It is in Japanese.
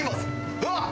うわっ！